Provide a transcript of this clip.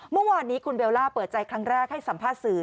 เมื่อวานนี้คุณเบลล่าเปิดใจครั้งแรกให้สัมภาษณ์สื่อ